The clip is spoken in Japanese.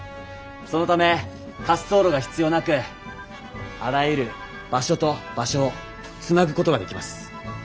そのため滑走路が必要なくあらゆる場所と場所をつなぐことができます。